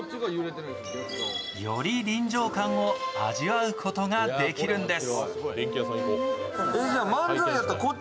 より臨場感を味わうことができるんです。